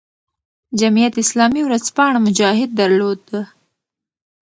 جمعیت اسلامي ورځپاڼه "مجاهد" درلوده.